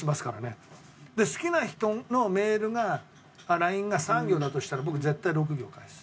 好きな人のメールがＬＩＮＥが３行だとしたら僕絶対６行返す。